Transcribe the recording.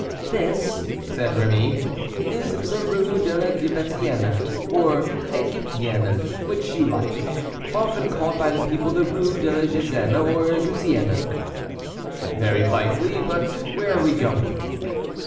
"This," said Rémy, "is the Rue de la Gypecienne, or Egyptienne, which you like; often called by the people the Rue de la Gyssienne, or Jussienne." "Very likely; but where are we going?"